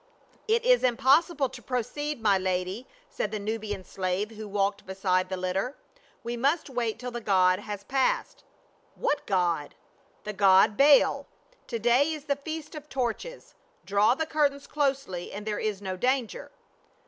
"It is impossible to proceed, my lady," said the Nubian slave who walked beside the litter. "We must wait till the god has passed." "What god?" "The god Baal; to day is the Feast of Torches. Draw the curtains closely, and there is no danger."